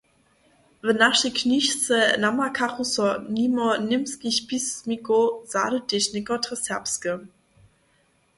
W našej knižce namakachu so nimo němskich pismikow zady tež někotre serbske.